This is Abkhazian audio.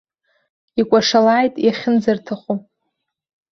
Икәашалааит иахьынӡарҭаху.